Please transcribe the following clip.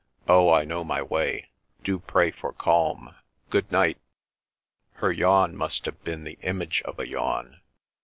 "Oh, I know my way—do pray for calm! Good night!" Her yawn must have been the image of a yawn.